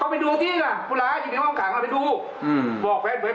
ก็ไปดูอีกน่ะพูดเลยก็ใครก็ไปดูอืม